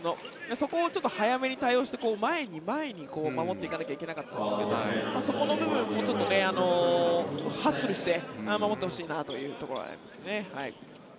そこをちょっと早めに対応して前に前に守っていかなきゃいけなかったんですけどそこの部分もちょっとハッスルして守ってほしいなというところがありますね。